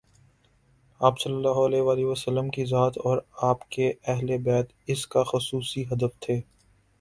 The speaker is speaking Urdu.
آپﷺ کی ذات اور آپ کے اہل بیت اس کاخصوصی ہدف تھے۔